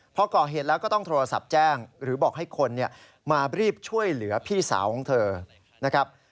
พอก่อเหตุแล้วก็ต้องโทรศัพท์แจ้งหรือบอกให้คนมารีบช่วยเหลือพี่สาวของเธอนะครับ